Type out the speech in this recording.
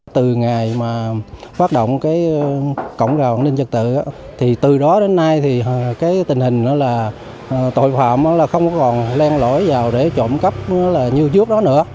từ ngày mà phát động cổng rào an ninh trật tự từ đó đến nay tình hình là tội phạm không còn len lỗi vào để trộm cấp như trước đó nữa